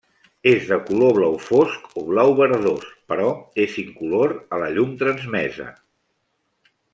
És de color blau fosc o blau verdós, però és incolor a la llum transmesa.